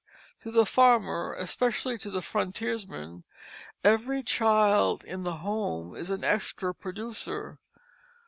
To the farmer, especially the frontiersman, every child in the home is an extra producer.